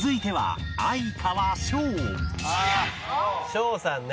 翔さんね。